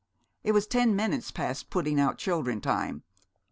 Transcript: It was ten minutes past putting out children time!